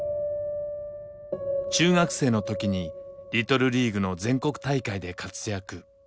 中学生の時にリトルリーグの全国大会で活躍。